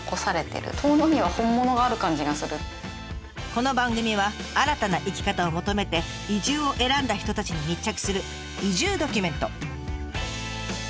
この番組は新たな生き方を求めて移住を選んだ人たちに密着する移住ドキュメント。